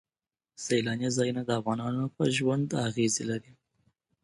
سیلاني ځایونه د افغانانو په ژوند اغېزې لري.